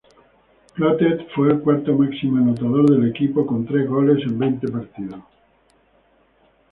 Clotet fue el cuarto máximo anotador del equipo, con tres goles en veinte partidos.